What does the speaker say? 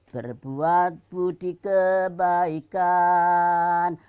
berbuat budi kebaikan